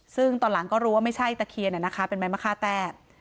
ซึ่งตอนหลังก็รู้ว่าไม่ใช่ตะเคียนเป็นไม้มะค่าแต้